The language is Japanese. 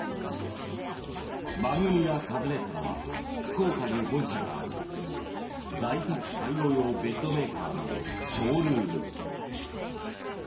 番組が訪ねたのは福岡に本社がある在宅介護用ベッドメーカーのショールーム。